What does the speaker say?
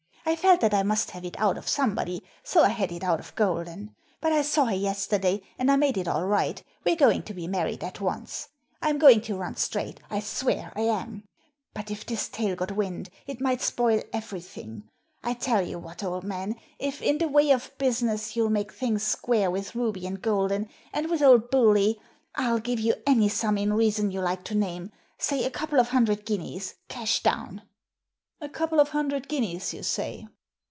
I felt that I must have it out of somebody, so I had it out of Golden. But I saw her yesterday, and I made it all right, we're going to be married at once. I'm going to run straight — I swear I am ! But if this tale got wind, it might spoil everything. I tell you what, old man, if, in the way of business, you'll make things square with Ruby and Golden, and with old Bewlay, I'll give you any sum in reason you like to name, say a couple of hundred guineas, cash down." "A couple of hundred guineas, you say?"